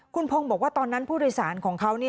คุณพงศ์บอกว่าตอนนั้นผู้โดยสารของเขา